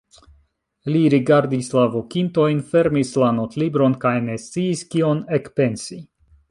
Li rigardis la vokintojn, fermis la notlibron kaj ne sciis, kion ekpensi.